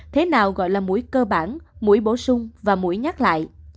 thế nào gọi là mũi cơ bản mũi bổ sung và mũi nhát lại